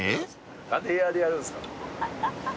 何でエアでやるんすか？